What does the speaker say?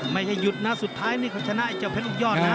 ไม่ให้หยุดนะสุดท้ายนี่เขาชนะไอเจ้าเพชรอีกยอดนะ